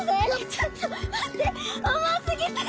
ちょっと待って！